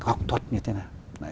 học thuật như thế nào